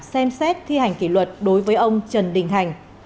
xem xét thi hành kỷ luật đối với ông trần đình thành